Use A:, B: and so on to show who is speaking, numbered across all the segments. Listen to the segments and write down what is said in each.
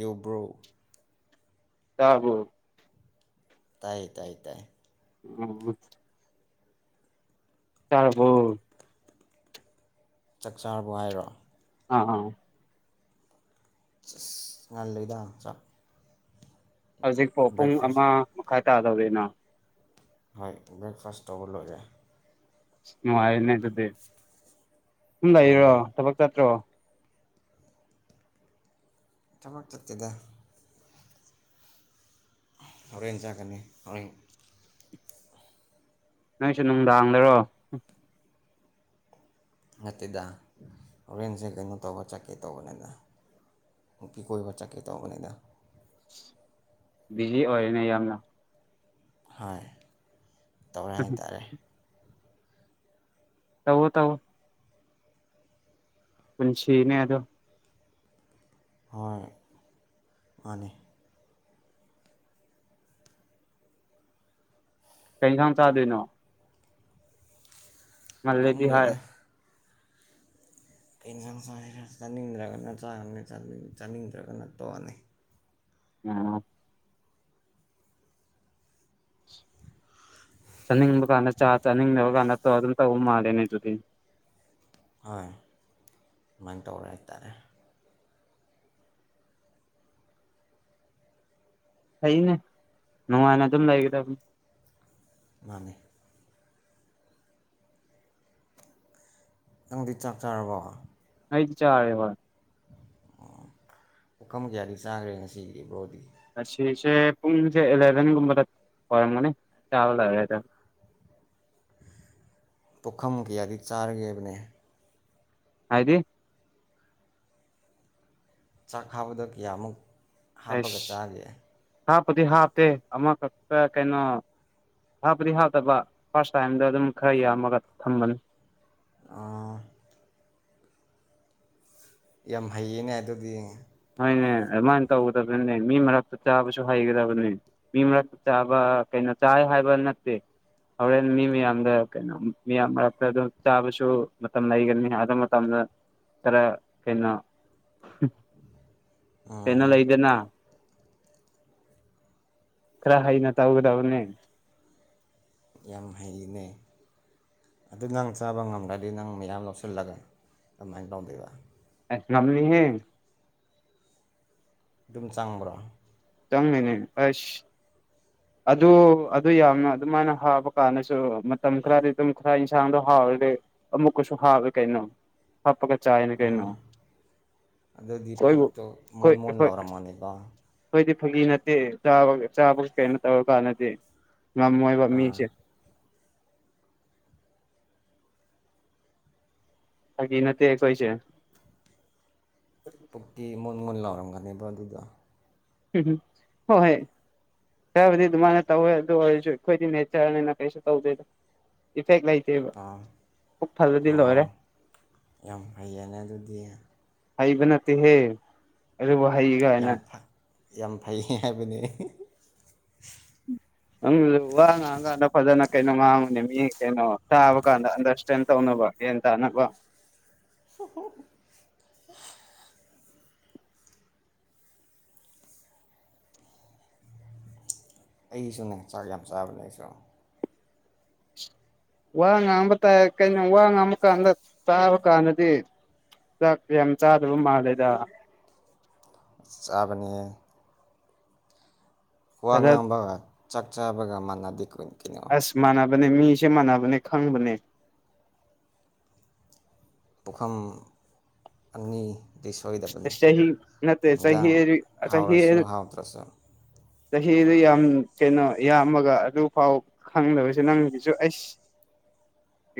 A: ꯌꯕ꯭ꯔꯣ [inaudible]
B: ꯇꯥꯔꯕꯣ
A: ꯇꯥꯏ ꯇꯥꯏ ꯇꯥꯏ
B: ꯎꯝ ꯆꯔꯕꯣ
A: ꯆꯥꯛ ꯆꯥꯔꯕꯣ ꯍꯥꯏꯔꯣ
B: ꯑꯥ ꯑꯥ
A: ꯉꯥꯟꯂꯤꯗ ꯆꯥꯛ
B: ꯍꯧꯖꯤꯛꯐꯥꯎ ꯄꯨꯡ
A: ꯕ꯭ꯔꯦꯛꯐꯥꯁ
B: ꯑꯃ ꯃꯈꯥꯏ ꯇꯥꯗꯧꯔꯤꯅ
A: ꯍꯣꯏ ꯕ꯭ꯔꯦꯛꯐꯥꯁ ꯇꯧꯕ ꯂꯣꯏꯔꯦ
B: ꯅꯨꯡꯉꯥꯢꯔꯦꯅꯦ ꯑꯗꯨꯗꯤ ꯁꯧꯝ ꯂꯩꯕꯔꯣ ꯊꯕꯛ ꯆꯠꯇꯔꯣ
A: ꯊꯕꯛ ꯆꯠꯇꯦꯗ ꯍꯣꯔꯦꯜ ꯆꯠꯀꯅꯤ
B: ꯅꯪꯁꯨ ꯅꯨꯡꯗꯥꯡ ꯗꯔꯣ
A: ꯅꯠꯇꯦꯗ ꯍꯣꯔꯦꯟꯁꯦ ꯀꯩꯅꯣ ꯇꯧꯕ ꯆꯠꯀꯦ ꯇꯧꯕꯅꯤꯗ ꯅꯨꯄꯤ ꯀꯣꯏꯕ ꯆꯠꯀꯦ ꯇꯧꯕꯅꯤꯅ
B: ꯕꯤꯖꯤ ꯑꯣꯏꯔꯦꯅꯦ ꯌꯥꯝꯅ
A: ꯍꯣꯏ ꯇꯧꯔꯦ ꯍꯥꯏꯇꯥꯔꯦ
B: ꯇꯧꯋꯣ ꯇꯧꯋꯣ ꯄꯨꯟꯁꯤꯅꯦ ꯑꯗꯣ
A: ꯍꯣꯏ ꯃꯥꯅꯦ ꯑ [unintelligible]
B: ꯀꯩ ꯌꯦꯟꯁꯥꯡ ꯆꯥꯗꯣꯏꯅꯣ ꯉꯥꯜꯂꯦꯗꯤ ꯍꯥꯏ
A: ꯈꯪꯗ꯭ꯔꯦꯗ ꯀꯩ ꯌꯦꯟꯁꯥꯡ ꯆꯁꯤꯔ ꯆꯥꯅꯤꯡꯗ꯭ꯔꯒꯅ ꯆꯥꯒꯅꯤ ꯆꯥꯅꯤꯡꯗ꯭ꯔꯒꯅ ꯇꯣꯛꯑꯅꯤ
B: ꯎꯝ ꯆꯅꯤꯡ ꯃꯕꯒꯥꯟꯅ ꯆꯅꯤꯡꯤꯡ ꯅ ꯌꯕꯒꯥꯟꯅꯠꯇꯣ ꯑꯗꯨꯟ ꯎꯨꯝꯃ ꯃꯥꯗꯦꯅꯦ ꯑꯗꯨꯗꯤ
A: ꯍꯣꯏ ꯑꯗꯨꯃꯥꯏꯅ ꯇꯧꯔꯦ ꯍꯥꯏꯇꯥꯔꯦ
B: ꯐꯩꯅꯦ ꯅꯨꯡꯉꯥꯏꯅ ꯑꯗꯨꯝ ꯂꯩꯒꯗꯕꯅꯤ
A: ꯃꯥꯥꯡꯉ ꯅꯪꯗꯤ ꯆꯥꯛ ꯆꯥꯔꯕꯣ
B: ꯑꯩꯗꯤ ꯆꯥꯔꯦꯕ
A: ꯄꯨꯈꯝ ꯀꯌꯥꯗꯤ ꯆꯥꯈ꯭ꯔꯦ ꯉꯁꯤꯒꯤ ꯕ꯭ꯔꯣꯗꯤ
B: ꯑꯁꯤꯁꯦ ꯄꯨꯡꯁꯦ ꯑꯦꯂꯚꯦꯟꯒꯨꯝꯕꯗ ꯑꯣꯏꯔꯝꯒꯅꯤ ꯆꯥꯕ ꯂꯔꯦ
A: ꯄꯨꯣꯛꯈꯝ ꯀꯌꯥꯗꯤ ꯆꯥꯔꯒꯦꯕꯅꯦ
B: ꯍꯥꯏꯗꯤ
A: ꯆꯥꯛ ꯈꯥꯕꯗ ꯀꯌꯥꯃꯨꯛ ꯍꯥꯞꯄꯒ ꯆꯥꯒꯦ
B: ꯑꯩꯁ ꯍꯥꯞꯄꯨꯗꯤ ꯍꯥꯞꯇꯦ ꯑꯃꯈꯛꯇ ꯀꯩꯅꯣ ꯍꯥꯞꯄꯗꯤ ꯍꯥꯞꯇꯕ ꯐꯥꯔꯁ ꯇꯥꯏꯝꯗ ꯑꯗꯨꯝ ꯈꯔ ꯌꯥꯝꯃꯒ ꯊꯝꯕꯅꯤ
A: ꯑꯥ ꯌꯥꯝ ꯍꯩꯌꯦꯅꯦ ꯑꯗꯨꯗꯤ
B: ꯍꯣꯏꯅꯦ ꯑꯗꯨꯃꯥꯏꯅ ꯇꯧꯒꯗꯕꯅꯤꯅꯦ ꯃꯤ ꯃꯔꯛꯇ ꯆꯥꯕꯁꯨ ꯍꯩꯒꯗꯕꯅꯦ ꯃꯤ ꯃꯔꯛꯇ ꯆꯥꯕ ꯀꯩꯅꯣ ꯆꯥꯏ ꯍꯥꯏꯕ ꯅꯠꯇꯦ ꯍꯣꯔꯦꯟ ꯃꯤ ꯃꯌꯥꯝꯗ ꯀꯩꯅꯣ ꯃꯤꯌꯥꯝ ꯃꯔꯛꯇ ꯑꯗꯨꯝ ꯆꯥꯕꯁꯨ ꯃꯇꯝ ꯂꯩꯒꯅꯤ ꯑꯗꯨ ꯃꯇꯝꯗ ꯏ ꯀꯩꯅꯣ
A: ꯎ
B: ꯄꯅ ꯂ ꯏꯗꯦꯅ ꯈꯔ ꯍꯩꯅ ꯇꯧꯒꯗꯕꯅꯦ
A: ꯌꯥꯝ ꯍꯩꯅꯦ ꯑꯗꯨ ꯅꯪ ꯆꯥꯕ ꯉꯝꯗ꯭ꯔꯗꯤ ꯅꯪ ꯃꯌꯥꯝ ꯂꯧꯁꯤꯜꯂꯒ ꯀꯃꯥꯏꯅ ꯇꯧꯗꯣꯏꯕ
B: ꯑꯦꯁ ꯉꯝꯅꯤꯍ
A: ꯑꯗꯨꯝ ꯆꯪꯕ꯭ꯔꯣ
B: ꯆꯪ ꯃꯅꯦ ꯑꯁ ꯑꯗꯨ ꯑꯗꯨ ꯌꯥꯝꯅ ꯑꯗꯨꯃꯥꯏꯅ ꯍꯥꯕ ꯀꯥꯟꯗꯁꯨ ꯃꯇꯝ ꯈꯔꯗꯤ ꯑꯗꯨꯝ ꯈꯔ ꯌꯦꯟꯁꯥꯡꯗꯣ ꯍꯥꯎꯔꯗꯤ ꯑꯃꯨꯛꯀꯁꯨ ꯍꯥꯞꯋꯦ ꯀꯩꯅꯣ ꯍꯥꯞꯄꯒ ꯆꯥꯏꯅ ꯀꯩꯅꯣ
A: ꯑꯗꯨꯗꯤ
B: ꯈꯣꯏꯕꯨ
A: ꯄꯨꯛꯇꯣ ꯃꯣꯟ
B: ꯑꯩꯈꯣꯏ
A: ꯃꯣꯟꯣꯟ
B: ꯑꯩꯈꯣꯏ
A: ꯂꯧꯔꯝꯃꯅꯦꯕꯣ
B: ꯑꯩꯈꯣꯏꯗꯤ ꯐꯒꯤ ꯅꯠꯇꯦ ꯆꯥꯕ ꯆꯥꯕ ꯀꯩꯅꯣ ꯇꯧꯔ ꯀꯥꯟꯗꯗꯤ ꯉꯝꯃꯣꯏꯕ ꯃꯤꯁꯦ ꯐꯒꯤ ꯅꯠꯇ ꯀꯣꯏꯁ
A: ꯄꯨꯛꯇꯤ ꯃꯨꯣꯟ ꯃꯨꯟ ꯂꯥꯎꯔꯝꯒꯅꯦꯕ ꯑꯗꯨꯗ
B: ꯎꯝꯝ ꯍꯣꯏ ꯍꯣꯏ ꯈꯕꯨꯗꯤ ꯑꯗꯨꯃꯥꯏꯅ ꯇꯧꯋꯦ ꯑꯗꯨ ꯑꯣꯏꯔꯁꯨ ꯑꯩꯈꯣꯏꯗꯤ ꯅꯦꯆꯔꯅꯤꯅ ꯀꯩꯁꯨ ꯇꯧꯗꯦꯗ ꯏꯐꯦꯛ ꯂꯩꯇꯦ
A: ꯑꯥ ꯑꯣ ꯌꯥꯝ ꯐꯩꯌꯦꯅꯦ ꯑꯗꯨꯗꯤ
B: ꯍꯩꯕ ꯅꯠꯇꯦꯍꯦ ꯑꯗꯨꯕ ꯍꯩꯒ
A: ꯌꯥꯝ ꯌꯥꯝ ꯐꯩꯌꯦ ꯍꯥꯏꯕꯅꯦ
B: ꯅꯪ ꯋꯥ ꯉꯥꯡꯉꯀꯥꯟꯗ ꯐꯖꯅ ꯀꯩꯅꯣ ꯉꯥꯡꯕꯅꯦ ꯃꯤ ꯀꯩꯅꯣ ꯇꯥꯕ ꯀꯥꯟꯗ ꯑꯟꯗ ꯁꯇ꯭ꯔꯦꯟ ꯇꯧꯅꯕ ꯌꯦꯟ ꯇ ꯅꯕ
A: ꯍ ꯑꯩꯁꯨꯅꯦ ꯆꯥꯛ ꯌꯥꯝ ꯆꯥꯕꯅꯦ ꯑꯩꯁꯨ
B: ꯋꯥ ꯉꯥꯡꯕ ꯇꯥꯏ ꯀꯩꯅꯣ ꯋꯥ ꯉꯥꯡꯕ ꯀꯥꯟꯗ ꯆꯥꯕ ꯀꯥꯟꯗꯗꯤ ꯆꯥꯛ ꯌꯥꯝ ꯆꯥꯗꯕ ꯃꯥꯜꯂꯦꯗ
A: ꯆꯥꯕꯅꯤ ꯋꯥ
B: ꯐꯖ
A: ꯉꯥꯡꯕꯒ ꯆꯥꯛ ꯆꯥꯕꯒ ꯃꯥꯟꯅꯗꯦ ꯀꯨꯟ ꯀꯅ
B: ꯑꯁ ꯃꯥꯟꯅꯕꯅꯦ ꯃꯤꯁꯦ ꯃꯥꯟꯅꯕꯅꯦ ꯈꯪꯕꯅꯦ
A: ꯄꯨꯈꯝ ꯑꯅꯤ ꯗꯤ ꯁꯣꯏꯗꯕꯅꯤ
B: ꯑꯁ ꯆꯍꯤ ꯅꯠꯇꯦ ꯆꯍꯤ
A: ꯏꯟꯖꯥꯡ ꯍꯥꯎꯔꯁꯨ
B: ꯆꯍꯤ
A: ꯍꯥꯎꯇ꯭ꯔꯁꯨ
B: ꯆꯍꯤꯗꯨ ꯌꯥꯝ ꯀꯩꯅꯣ ꯌꯥꯝꯃꯒ ꯑꯗꯨꯐꯥꯎ ꯈꯪꯗꯕꯁꯦ ꯅꯪꯒꯤꯁꯨ ꯑꯩꯁ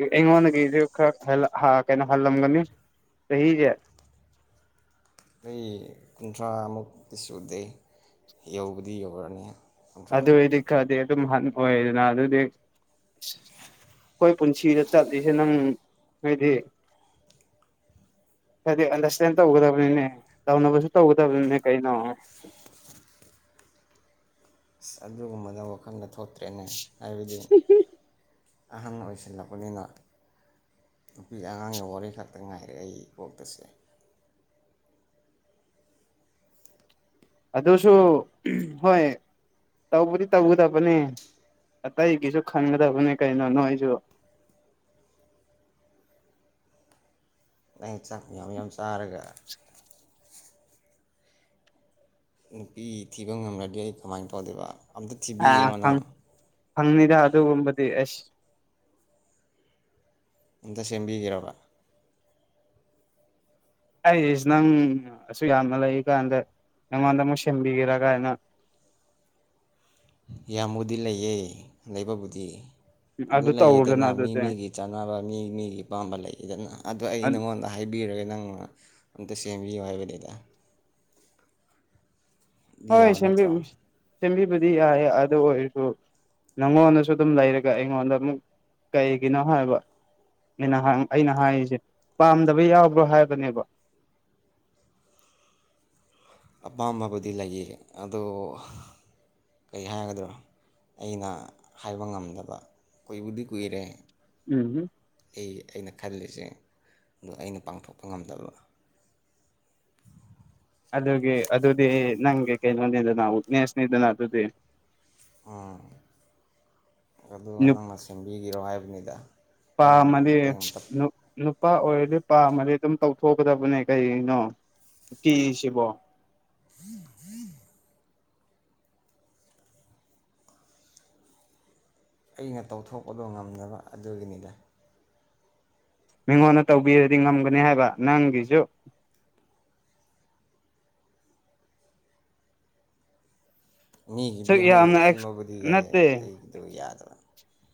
B: ꯑꯩꯉꯣꯟꯗꯒꯤꯖꯨ ꯈꯔ ꯍꯟꯂ ꯍ ꯀꯩꯅꯣ ꯍꯜꯂꯝꯒꯅꯤ ꯆꯍꯤꯖꯦ
A: ꯑꯩ ꯀꯨꯟꯊ꯭ꯔꯥꯃꯨꯛꯇꯤ ꯁꯨꯗꯦ ꯌꯧꯕꯗꯤ ꯌꯧꯔꯅꯤ ꯀꯨꯟꯊ꯭ꯔꯥ
B: ꯑꯗꯨꯏꯗꯤ ꯈꯔꯗꯤ ꯑꯗꯨꯝ ꯍꯟꯕ ꯑꯣꯏꯅ ꯑꯗꯨꯗꯤ ꯑꯩꯈꯣꯏ ꯄꯨꯟꯁꯤꯗ ꯆꯠꯂꯤꯁꯦ ꯅꯪ ꯅꯣꯏꯗꯤ ꯍꯥꯏꯗꯤ ꯑꯟꯗꯔꯁꯇꯦꯟ ꯇꯧꯒꯗꯕꯅꯤꯅꯦ ꯇꯧꯅꯕꯁꯨ ꯇꯧꯒꯗꯕꯅꯤꯅꯦ ꯀꯩꯅꯣ
A: ꯑꯁ ꯑꯗꯨꯒꯨꯝꯕꯗ ꯋꯥꯈꯜꯒ ꯊꯣꯛꯇ꯭ꯔꯦꯅꯦ ꯍꯥꯏꯕꯗꯤ ꯑꯍꯟ ꯑꯣꯏꯁꯤꯜꯂꯛꯄꯅꯤꯅ ꯅꯨꯄꯤ ꯑꯉꯥꯡꯒꯤ ꯋꯥꯔꯤ ꯈꯛꯇ ꯉꯥꯏꯔꯦ ꯑꯩ ꯀꯣꯛꯇꯁꯦ
B: ꯑꯗꯨꯁꯨ ꯍꯣꯏ ꯇꯧꯕꯗꯤ ꯇꯧꯒꯗꯕꯅꯦ ꯑꯇꯩꯒꯤꯁꯨ ꯈꯟꯒꯗꯕꯅꯦ ꯀꯩꯅꯣ ꯅꯣꯏꯖꯨ
A: ꯑꯩ ꯆꯥꯛ ꯌꯥꯝ ꯌꯥꯝ ꯆꯥꯔꯒ
B: [unintelligible]
A: ꯅꯨꯄꯤ ꯊꯤꯕ ꯉꯝꯒ꯭ꯔꯗꯤ ꯑꯩ ꯀꯃꯥꯏꯟ ꯇꯧꯗꯣꯏꯕ ꯑꯝꯇ
B: ꯑꯥ
A: ꯊꯤꯕꯤꯒꯦꯔꯣ
B: ꯐꯪ
A: ꯅꯪ
B: ꯐꯪꯅꯤꯗ ꯑꯗꯨꯒꯨꯝꯕꯗꯤ ꯑꯩꯁ
A: ꯑꯝꯇ ꯁꯦꯝꯕꯤꯒꯦꯔꯕ
B: ꯑꯩꯁ ꯅꯪ ꯑꯁꯨ ꯌꯥꯝꯅ ꯂꯩ ꯀꯥꯟꯗ ꯅꯉꯣꯟꯗ ꯑꯃꯨꯛ ꯁꯦꯝꯕꯤꯒꯦꯔꯥ ꯀꯥꯏꯅ
A: ꯌꯥꯝꯃꯨꯗꯤ ꯂꯩꯌꯦ ꯂꯩꯕꯕꯨꯗꯤ ꯑꯗꯨ
B: ꯇꯧꯔꯨꯗꯅ
A: ꯂꯩꯌꯦꯗꯅ ꯃꯤ
B: ꯑꯗꯨꯗꯤ
A: ꯃꯤꯒꯤ ꯆꯥꯟꯅꯕ ꯃꯤ ꯃꯤꯒꯤ ꯄꯥꯝꯕ ꯂꯩꯌꯦꯗꯅ ꯑꯗꯨ ꯑꯩ ꯅꯉꯣꯟꯗ ꯍ ꯍꯥꯏꯕꯤꯔꯒ ꯅꯪꯅ ꯑꯝꯇ ꯁꯦꯝꯕꯤꯌꯨ ꯍꯥꯏꯕꯅꯤꯗ ꯑꯗꯨ
B: ꯍꯣꯏ
A: ꯌꯥꯕ
B: ꯁꯦꯝ
A: ꯅꯠꯇ꯭ꯔꯣ
B: [unintelligible] ꯁꯦꯝꯕꯤꯕꯗꯤ ꯌꯥꯏꯌꯦ ꯑꯗꯨ ꯑꯣꯏꯔꯁꯨ ꯅꯪꯉꯣꯟꯗꯁꯨ ꯑꯗꯨꯝ ꯂꯩꯔꯒ ꯑꯩꯉꯣꯟꯗ ꯑꯃꯨꯛ ꯀꯩꯒꯤꯅꯣ ꯍꯥꯏꯕ ꯑꯩꯅ ꯍꯪ ꯑꯩꯅ ꯍꯥꯏꯔꯤꯁꯦ ꯄꯥꯝꯗꯕ ꯌꯥꯎꯕ꯭ꯔꯣ ꯍꯥꯏꯕꯅꯦꯕ
A: ꯑꯄꯥꯝꯕꯕꯨꯗꯤ ꯂꯩꯌꯦ ꯑꯗꯣ ꯀꯩ ꯍꯥꯏꯒꯗ꯭ꯔꯣ ꯑꯩꯅ ꯍꯥꯏꯕ ꯉꯝꯗꯕ ꯀꯨꯏꯕꯨꯗꯤ ꯀꯨꯏꯔꯦ
B: ꯎꯝ [unintelligible]
A: ꯑꯦ ꯑꯩꯅ ꯈꯜꯂꯤꯁꯦ ꯑꯗꯣ ꯑꯩꯅ ꯄꯥꯡꯊꯣꯛꯄ ꯉꯝꯗꯕ
B: ꯑꯗꯨꯒꯤ ꯑꯗꯨꯗꯤ ꯅꯪꯒꯤ ꯀꯩꯅꯣꯅꯤꯗꯅ ꯋꯤꯛꯅꯦꯁꯅꯤꯗꯅ ꯑꯗꯨꯗꯤ
A: ꯑ ꯑꯗꯨꯒ
B: ꯅꯨꯄꯥ
A: ꯅꯪꯅ ꯁꯦꯝꯕꯤꯒꯤꯔꯣ ꯍꯥꯏꯕꯅꯤꯗ ꯅꯪꯅ
B: ꯑꯃꯗꯤ
A: ꯃꯇꯦꯡ ꯑꯝꯇ
B: ꯅꯨꯄꯥ ꯑꯣꯏꯔꯗꯤ ꯄꯥꯝꯃꯗꯤ ꯑꯗꯨꯝ ꯇꯧꯊꯣꯛꯀꯗꯕꯅꯦ ꯀꯩꯅꯣ ꯅꯨꯄꯤ ꯑꯁꯤꯕꯣ
A: [unintelligible] ꯑꯩꯅ ꯇꯧꯊꯣꯛꯄꯗꯣ ꯉꯝꯗꯕ ꯑꯗꯨꯒꯤꯅꯤꯗ
B: ꯃꯤꯉꯣꯟꯗ ꯇꯧꯕꯤꯔꯗꯤ ꯉꯝꯒꯅꯤ ꯍꯥꯏꯕ ꯅꯪꯒꯤꯖꯨ
A: ꯃꯤꯒꯤꯗꯤ
B: ꯁꯨꯛ
A: ꯍꯣꯏ
B: ꯌꯥꯝꯅ
A: ꯁꯦꯝꯕꯕꯨꯗꯤ ꯌꯥꯏ
B: ꯅꯠꯇꯦ
A: ꯑꯩꯒꯤꯗꯣ ꯌꯥꯗ꯭ꯔꯥ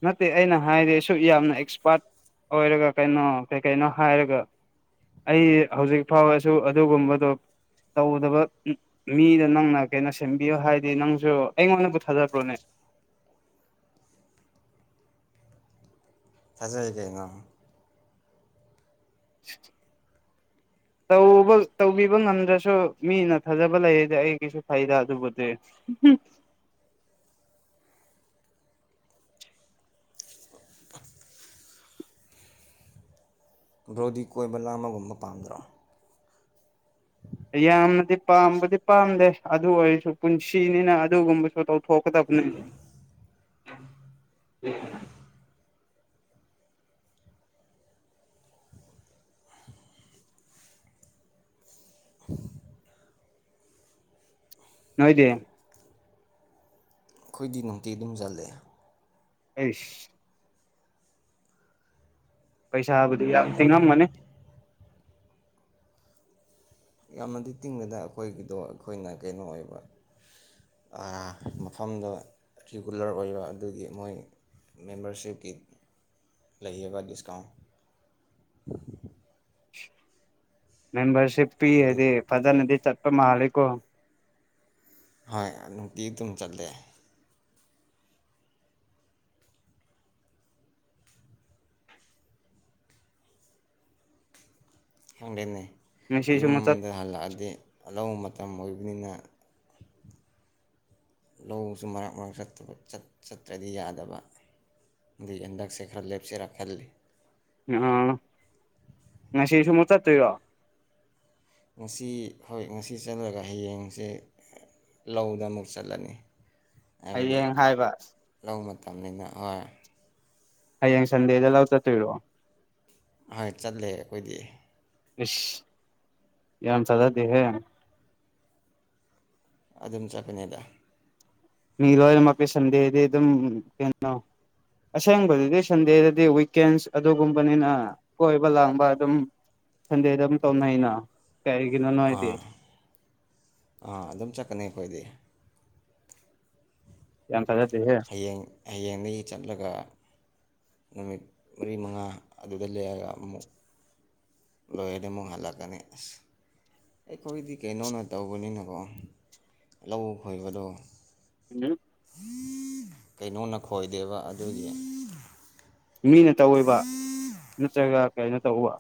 B: ꯅꯠꯇꯦ ꯑꯩꯅ ꯍꯥꯏꯗꯤ ꯁꯨꯛ ꯌꯥꯝꯅ ꯑꯦꯛꯁꯄꯥꯔꯠ ꯑꯣꯏꯔꯒ ꯀꯩꯅꯣ ꯀꯩ ꯀꯩꯅꯣ ꯍꯥꯏꯔꯒ ꯑꯩ ꯍꯧꯖꯤꯛ ꯐꯥꯎꯔꯁꯨ ꯑꯗꯨꯒꯨꯝꯕꯗꯣ ꯇꯧꯗꯕ ꯃꯤꯗ ꯅꯪꯅ ꯀꯩꯅꯣ ꯁꯦꯝꯕꯤꯌꯨ ꯍꯥꯏꯗꯤ ꯅꯪꯁꯨ ꯑꯩꯉꯣꯟꯗꯕꯨ ꯊꯥꯖꯕ꯭ꯔꯣꯅꯦ
A: ꯊꯥꯖꯩ ꯀꯩꯅꯣ
B: [inaudible] ꯇꯧꯕ ꯇꯧꯕꯤꯕ ꯉꯝꯗ꯭ꯔꯁꯨ ꯃꯤꯅ ꯊꯥꯖꯕ ꯂꯩꯔꯗꯤ ꯑꯩꯒꯤꯁꯨ ꯐꯩꯗ ꯑꯗꯨꯕꯨꯗꯤ [unintelligible]
A: [inaudible] ꯕ꯭ꯔꯣꯗꯤ ꯀꯣꯏꯕ ꯂꯥꯡꯕꯒꯨꯝꯕ ꯄꯥꯝꯗ꯭ꯔꯣ
B: ꯌꯥꯝꯅꯗꯤ ꯄꯥꯝꯕꯗꯤ ꯄꯥꯝꯗꯦ ꯑꯗꯨ ꯑꯣꯏꯔꯁꯨ ꯄꯨꯟꯁꯤꯅꯤꯅ ꯑꯗꯨꯒꯨꯝꯕꯁꯨ ꯇꯧꯊꯣꯛꯀꯗꯕꯅꯦ [unintelligible]
A: [unintelligible]
B: ꯅꯣꯏꯗꯤ
A: ꯑꯩꯈꯣꯏꯗꯤ ꯅꯨꯡꯇꯤ ꯑꯗꯨꯝ ꯆꯜꯂꯦ
B: ꯑꯩꯁ ꯄꯩꯁꯥ ꯍꯥꯏꯕꯗꯤ ꯌꯥꯝ ꯊꯦꯡꯅꯝ ꯃꯅꯦ
A: ꯌꯥꯝꯅꯗꯤ ꯇꯤꯡꯕꯗ ꯑꯩꯈꯣꯏꯒꯤꯗꯣ ꯑꯩꯈꯣꯏꯅ ꯀꯩꯅꯣ ꯑꯣꯏꯕ ꯃꯐꯝꯗ ꯔꯤꯒꯨꯂꯔ ꯑꯣꯏꯕ ꯑꯗꯨꯒꯤ ꯃꯣꯏ ꯃꯦꯝꯕꯔꯁꯤꯞꯀꯤ ꯂꯩꯌꯦꯕ ꯗꯤꯁꯀꯥꯎꯟ
B: ꯃꯦꯝꯕꯔꯁꯤꯞ ꯄꯤ ꯍꯥꯏꯗꯤ
A: ꯑꯗꯒꯤ
B: ꯐꯖꯅꯗꯤ ꯆꯠꯄ ꯃꯥꯂꯦꯀꯣ
A: ꯍꯣꯏ ꯅꯨꯡꯇꯤ ꯑꯗꯨꯝ ꯆꯠꯂꯦ ꯈꯦꯡꯗꯦꯅꯦ
B: ꯉꯁꯤꯁꯨ ꯑꯃꯨꯛ ꯆꯠ
A: ꯌꯨꯝꯗ ꯍꯜꯂꯛꯑꯗꯤ ꯑꯅꯧꯕ ꯃꯇꯝ ꯑꯣꯏꯕꯅꯤꯅ ꯂꯧꯁꯨ ꯃꯔꯛ ꯃꯔꯛ ꯆꯠꯇ꯭ꯔꯗꯤ ꯌꯥꯗꯕ ꯑꯗꯩ ꯍꯟꯗꯛꯁꯦ ꯈꯔ ꯂꯦꯞꯆꯔꯥ ꯈꯜꯂꯤ
B: ꯑ ꯉ ꯁꯤꯦꯁ ꯃꯛꯇꯠꯇꯣ
A: ꯉꯁꯤ ꯍꯣꯏ ꯉꯁꯤ ꯆꯠꯂꯒ ꯍꯌꯦꯡꯁꯦ ꯂꯧꯗ ꯑꯃꯨꯛ ꯆꯠꯂꯅꯤ ꯍꯥꯏꯕꯗꯤ
B: ꯍꯌꯦꯡ ꯍꯥꯏꯕ
A: ꯂꯧ ꯃꯇꯝꯅꯤꯅ ꯍꯣꯏ
B: ꯍꯌꯦꯡ ꯁꯟꯗꯦꯗ ꯂꯥꯎ ꯆꯠꯇꯣꯏꯔꯣ
A: ꯆꯠꯂꯦ ꯑꯩꯈꯣꯏꯗꯤ
B: ꯏꯁ ꯌꯥꯝ ꯆꯖꯗꯦꯍꯦ
A: ꯑꯗꯨꯝ ꯆꯠꯄꯅꯦꯗ
B: ꯃꯤ ꯂ ꯃꯥꯩ ꯁꯟꯗꯦꯗꯤ ꯑꯗꯨꯝ ꯀꯩꯅꯣ ꯑꯁꯦꯡꯕꯗꯨꯗꯤ ꯁꯟꯗꯦꯗꯗꯤ ꯋꯤꯀꯦꯟꯁ ꯑꯗꯨꯒꯨꯝꯕꯅꯤꯅ ꯀꯣꯏꯕ ꯂꯥꯡꯕ ꯑꯗꯨꯝ ꯁꯟꯗꯦꯗ ꯑꯗꯨꯝ ꯇꯧꯅꯩꯩꯅ ꯀꯩꯒꯤꯅꯣꯅꯣ ꯍꯥꯏꯗꯤ
A: ꯑꯥ ꯑꯗꯨꯝ ꯆꯠꯀꯅꯤ ꯑꯩꯈꯣꯏꯗꯤ
B: ꯌꯥꯝ ꯊꯥꯖꯗꯦꯍꯦ
A: ꯍꯌꯦꯡ ꯍꯌꯦꯡꯗꯒꯤ ꯆꯠꯂꯒ ꯅꯨꯃꯤꯠ ꯃꯔꯤ ꯃꯉꯥ ꯑꯗꯨꯗ ꯂꯦꯛꯑꯒ ꯑꯃꯨꯛ ꯂꯣꯏꯔꯗꯤ ꯑꯃꯨꯛ ꯍꯜꯂꯛꯀꯅꯤ ꯑꯁ ꯑꯩꯈꯣꯏꯗꯤ ꯀꯩꯅꯣꯅ ꯇꯧꯕꯅꯤꯅꯀꯣ ꯂꯧ ꯈꯣꯏꯕꯗꯣ
B: ꯎꯝ
A: ꯀꯩꯅꯣꯅ ꯈꯣꯏꯗꯦꯕ ꯑꯗꯨꯒꯤ
B: ꯃꯤꯅ ꯇꯧꯕ ꯅꯠꯇ꯭ꯔꯒ ꯀꯩꯅꯣ ꯇꯧꯕ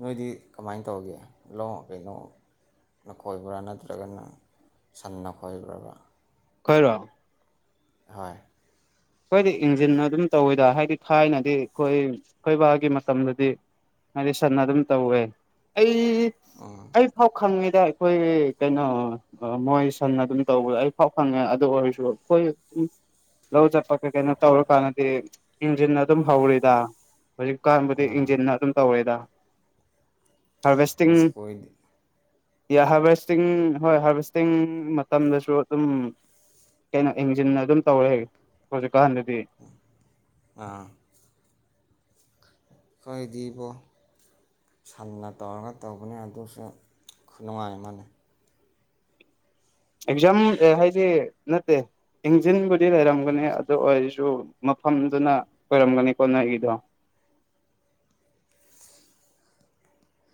A: ꯅꯣꯏꯗꯤ ꯀꯃꯥꯏꯅ ꯇꯧꯒꯦ ꯂ ꯀꯩꯅꯣ ꯅꯈꯣꯏꯕ꯭ꯔꯥ ꯅꯠꯇ꯭ꯔꯒꯅ ꯁꯟ ꯅ ꯈꯣꯏꯕ꯭ꯔꯕ
B: ꯈꯔꯣ
A: ꯍꯣꯏ
B: ꯑꯩꯈꯣꯏꯗꯤ ꯏꯟꯖꯤꯟ ꯑꯗꯨꯝ ꯇꯧꯋꯤꯗ ꯍꯥꯏꯗꯤ ꯊꯥꯏꯅꯗꯤ ꯑꯩꯈꯣꯏ ꯈꯣꯏꯕꯒꯤ ꯃꯇꯝꯗꯗꯤ ꯍꯥꯏꯗꯤ ꯁꯟꯅ ꯑꯗꯨꯝ ꯇꯧꯋꯦ ꯑꯩ
A: ꯑ
B: ꯑꯩꯐꯥꯎ ꯈꯪꯉꯤꯗ ꯑꯩꯈꯣꯏ ꯀꯩꯅꯣ ꯃꯣꯏ ꯁꯟꯅ ꯑꯗꯨꯝ ꯇꯧꯕꯗ ꯑꯩ ꯐꯥꯎ ꯐꯪꯉꯦ ꯑꯗꯨ ꯑꯣꯏꯔꯁꯨ ꯑꯩꯈꯣꯏ ꯑꯗꯨꯝ ꯂꯧ ꯆꯠꯄ ꯀꯩꯅꯣ ꯇꯧꯔꯀꯥꯟꯗꯗꯤ ꯏꯟꯖꯤꯟ ꯑꯗꯨꯝ ꯍꯧꯔꯤꯗ ꯍꯧꯖꯤꯛꯀꯥꯟꯕꯨꯗꯤ ꯏꯟꯖꯤꯟꯅ ꯑꯗꯨꯝ ꯇꯧꯔꯦꯗ ꯍꯔꯚꯦꯁꯇꯤꯡ
A: ꯏꯁ ꯈꯣꯏꯗꯤ
B: ꯍꯥꯔꯚꯦꯁꯇꯤꯡ ꯍꯣꯏ ꯍꯥꯔꯚꯦꯁꯇꯤꯡ ꯃꯇꯝꯗꯁꯨ ꯑꯗꯨꯝ ꯀꯩꯅꯣ ꯌꯦꯡꯖꯤꯟꯅ ꯑꯗꯨꯝ ꯇꯧꯔꯦ ꯍꯥꯏꯒꯦ ꯍꯧꯖꯤꯛꯀꯍꯗꯗꯤ
A: ꯑꯥ ꯀꯗꯤꯕꯣ ꯁꯟꯅ ꯇꯧꯔꯒ ꯇꯧꯕꯅꯤ ꯑꯗꯨꯁꯨ ꯈꯨꯅꯨꯡꯉꯥꯏ ꯑꯃꯅꯤ
B: ꯑꯦꯛꯖꯥꯝ ꯍꯥꯏꯗꯤ ꯅꯠꯇꯦ ꯏꯟꯖꯤꯟꯕꯨꯗꯤ ꯂꯩꯔꯝꯒꯅꯤ ꯑꯗꯨ ꯑꯣꯏꯔꯁꯨ ꯃꯐꯝꯗꯨꯅ ꯑꯣꯏꯔꯝꯒꯅꯤ ꯀꯣꯅ ꯑꯩꯒꯤꯗꯣ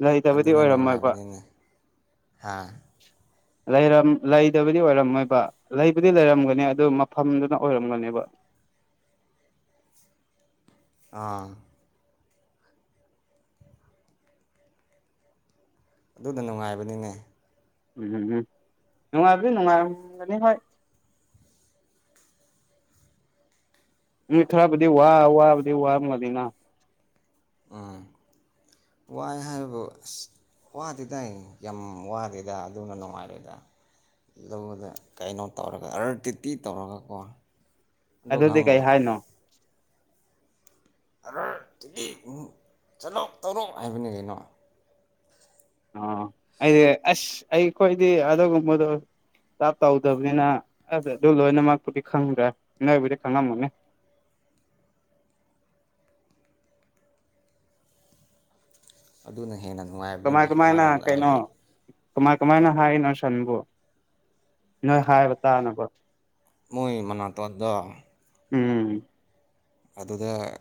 B: ꯂꯩꯇꯕꯗꯤ
A: ꯑꯗꯨꯅ
B: ꯑꯣꯏꯔꯝꯃꯣꯏꯕ
A: ꯅꯨꯡꯉꯥꯏꯕꯅꯤꯅꯦ ꯍꯥ
B: ꯂꯩꯔꯝ ꯂꯩꯗꯕꯗꯤ ꯑꯣꯏꯔꯝꯃꯣꯏꯕ ꯂꯩꯕꯨꯗꯤ ꯂꯩꯔꯝꯒꯅꯤ ꯑꯗꯨ ꯃꯐꯝꯗꯨꯅ ꯑꯣꯏꯔꯝꯒꯅꯦꯕ꯫
A: ꯑꯥ [inaudible] ꯑꯗꯨꯗ ꯅꯨꯡꯉꯥꯏꯕꯅꯤꯅꯦ꯫
B: ꯎꯝ [unintelligible] ꯅꯨꯡꯉꯥꯏꯗꯤ ꯅꯨꯡꯉꯥꯏꯔꯝꯒꯅꯤ ꯍꯣꯏ ꯃꯤ ꯈꯔꯕꯨꯗꯤ ꯋꯥ ꯋꯥꯕꯨꯗꯤ ꯋꯥꯔꯝꯃꯅꯤꯅ [unintelligible] [inaudible]
A: ꯋꯥꯏ ꯍꯥꯏꯕꯕꯨ ꯑꯁ ꯋꯥꯗꯦꯗ ꯑꯩ ꯌꯥꯝ ꯋꯥꯗꯦꯗ ꯑꯗꯨꯅ ꯅꯨꯡꯉꯥꯏꯔꯣꯏꯗ ꯑꯗꯨꯗ ꯀꯩꯅꯣ ꯇꯧꯔꯒ ꯑꯔꯇꯤꯇꯤ ꯇꯧꯔꯒꯀꯣ꯫ ꯑꯗꯨ
B: ꯑꯗꯨꯗꯤ ꯀꯩ
A: ꯈꯪꯕ꯭ꯔꯣ
B: ꯍꯥꯏꯅꯣ
A: ꯑ [unintelligible] ꯇꯤ ꯇꯤ ꯆꯠꯂꯣ ꯇꯧꯔꯣ ꯍꯥꯏꯕꯅꯤ ꯀꯩꯅꯣ
B: ꯑ ꯑꯩꯗꯤ ꯑꯁ ꯑꯩ ꯑꯈꯣꯏꯗꯤ ꯑꯗꯨꯒꯨꯝꯕꯗꯣ꯫ ꯇꯧꯗꯕꯅꯤꯅ ꯑ ꯑꯗꯨ ꯂꯣꯏꯅꯃꯛꯄꯨꯗꯤ ꯈꯪꯗ꯭ꯔꯦ ꯅꯣꯏꯕꯨꯗꯤ ꯈꯪꯉꯝꯃꯅꯤ꯫
A: ꯑꯗꯨꯅ ꯍꯦꯟꯅ ꯅꯨꯡꯉꯥꯏꯕꯗꯨꯅꯦ
B: ꯀꯃꯥꯏ ꯀꯃꯥꯏꯅ
A: ꯑꯃꯔꯣꯝꯗ
B: ꯀꯩꯅꯣ
A: ꯍꯥꯏꯗꯤ
B: ꯀꯃꯥꯏ ꯀꯃꯥꯏꯅ ꯍꯥꯏꯅꯣ ꯁꯟꯕꯨ ꯅꯣꯏ ꯍꯥꯏꯕ ꯇꯥꯅꯕ꯫
A: ꯃꯣꯏ ꯃꯅꯥꯇꯣꯟꯗ
B: ꯎꯝ
A: ꯑꯗꯨꯗ